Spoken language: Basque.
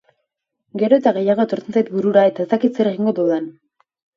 Gero eta gehiago etortzen zait burura eta ez dakit zer egingo dudan.